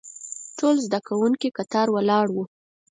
ټول زده کوونکي کتار ولاړ وو.